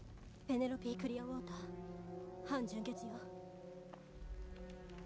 ペネロピー・クリアウォーター半純血よ